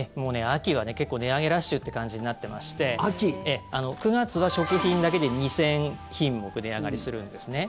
秋は結構値上げラッシュって感じになってまして９月は食品だけで２０００品目値上がりするんですね。